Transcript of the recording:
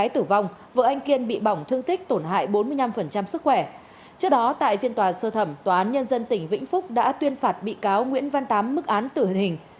trước đó tại phiên tòa sơ thẩm tòa án nhân dân tỉnh vĩnh phúc đã tuyên phạt bị cáo nguyễn văn tám mức án tử hình